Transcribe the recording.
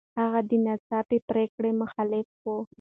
هغه د ناڅاپي پرېکړو مخالف و.